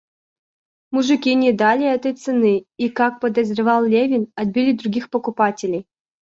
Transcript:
Мужики не дали этой цены и, как подозревал Левин, отбили других покупателей.